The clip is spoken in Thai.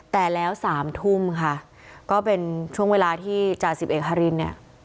แต่แล้วสามทุ่มค่ะก็เป็นช่วงเวลาที่จ่าสิบเอกฮารินเนี่ย